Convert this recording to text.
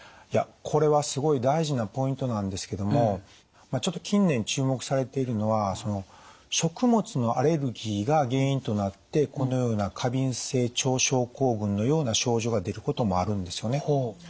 いやこれはすごい大事なポイントなんですけどもちょっと近年注目されているのは食物のアレルギーが原因となってこのような過敏性腸症候群のような症状が出ることもあるんですよね。